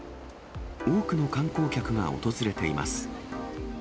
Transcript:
多くの観光客が訪れています。